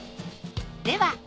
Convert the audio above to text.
では